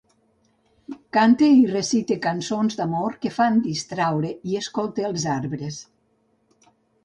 Cante i recite cançons d’amor que fan distraure, i escolte els arbres.